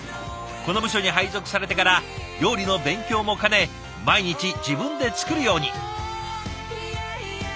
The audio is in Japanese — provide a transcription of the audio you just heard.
この部署に配属されてから料理の勉強も兼ね毎日自分で作るように。